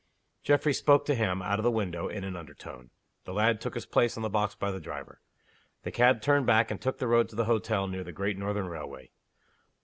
Geoffrey spoke to him, out of the window, in an under tone. The lad took his place on the box by the driver. The cab turned back, and took the road to the hotel near the Great Northern Railway.